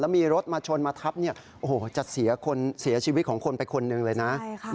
แล้วมีรถมาชนมาทับจะเสียชีวิตของคนไปคนหนึ่งเลยนะ